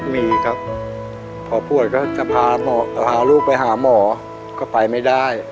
มีครับพอป่วยก็จะพาลูกไปหาหมอก็ไปไม่ได้